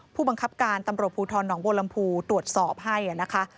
ผู้บังคับการตำรวจภูทรหนองบัวลำพูตรวจสอบให้นะคะ